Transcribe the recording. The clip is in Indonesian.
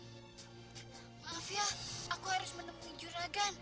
maaf ya aku harus menemui juragan